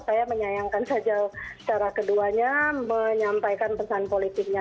saya menyayangkan saja secara keduanya menyampaikan pesan politiknya